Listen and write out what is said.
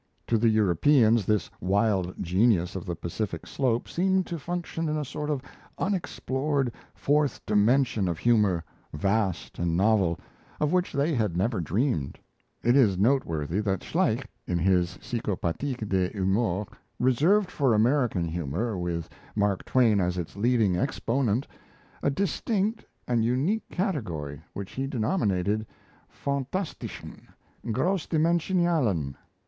To the Europeans, this wild genius of the Pacific Slope seemed to function in a sort of unexplored fourth dimension of humour vast and novel of which they had never dreamed. It is noteworthy that Schleich, in his 'Psychopathik des Humors', reserved for American humour, with Mark Twain as its leading exponent, a distinct and unique category which he denominated phantastischen, grossdimensionalen.